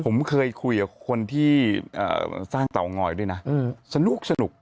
ผมเคยคุยกับคนที่สร้างเตางอยด้วยนะสนุก